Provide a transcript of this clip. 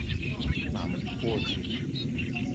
Mag me te pe wa ding.